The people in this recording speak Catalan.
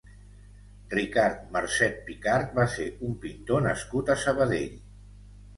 Ricard Marcet Picard va ser un pintor nascut a Sabadell.